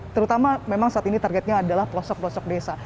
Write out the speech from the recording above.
terutama memang saat ini targetnya adalah pelosok pelosok desa